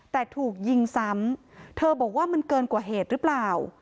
แต่ถูกยิงซ้ำเธอบอกว่ามันเกินกว่าเหตุหรือเปล่า